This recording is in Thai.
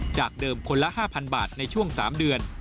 จากเดิมคนละ๕๐๐๐บาทในช่วง๓เดือน